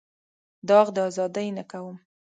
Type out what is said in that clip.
داغ د ازادۍ نه کوم.